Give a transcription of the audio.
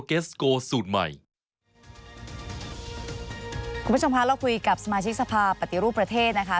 คุณผู้ชมคะเราคุยกับสมาชิกสภาพปฏิรูปประเทศนะคะ